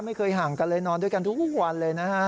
ไม่เคยห่างกันเลยนอนด้วยกันทุกวันเลยนะฮะ